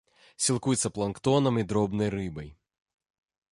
Сілкуецца планктонам і дробнай рыбай.